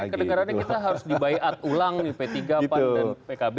kedengarannya kita harus dibayat ulang nih p tiga pan dan pkb